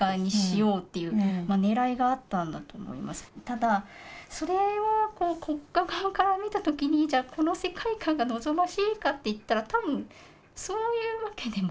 ただそれを国家側から見た時にじゃあこの世界観が望ましいかって言ったら多分そういうわけでもなくって。